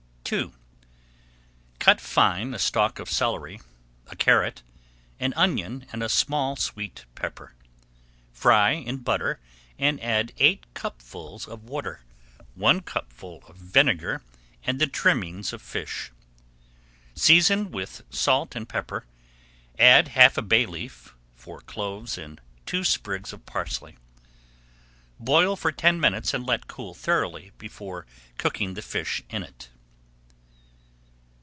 II Cut fine a stalk of celery, a carrot, an onion, and a small sweet pepper. Fry in butter, and add eight cupfuls of water, one cupful of vinegar, and the trimmings of fish. Season with salt and pepper, add half a bay leaf, four cloves, and two sprigs of parsley. Boil for ten minutes and let cool thoroughly before cooking the fish in it.